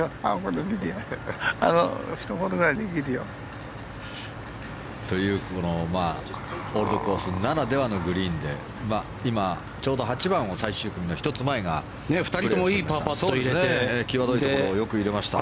１ホールぐらいできるよ。というこのオールドコースならではのグリーンで今、ちょうど８番を最終組の１つ前が際どいところをよく入れました。